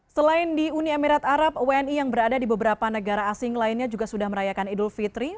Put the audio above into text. selain di uni emirat arab wni yang berada di beberapa negara asing lainnya juga sudah merayakan idul fitri